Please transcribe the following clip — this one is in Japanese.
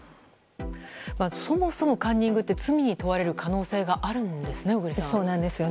そもそもカンニングって罪に問われる可能性があるんですね、小栗さん。